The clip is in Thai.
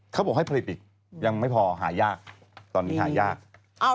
เขาบอกให้ผลิตอีกยังไม่พอหายากตอนนี้หายาก